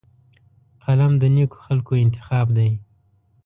قلم د نیکو خلکو انتخاب دی